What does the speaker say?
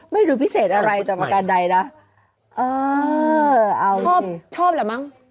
ไม่รู้พิเศษอะไรต่อประการใดนะเออเอาชอบชอบแหละมั้ง